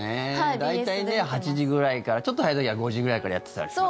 大体８時ぐらいからちょっと早い時は５時ぐらいからやってたりしますけど。